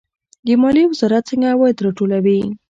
د مالیې وزارت څنګه عواید راټولوي؟